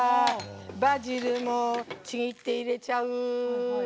バジルもちぎって入れちゃう。